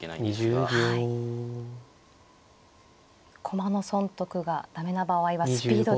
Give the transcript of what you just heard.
駒の損得が駄目な場合はスピードで。